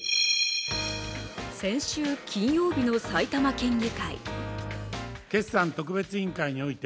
先週金曜日の埼玉県議会。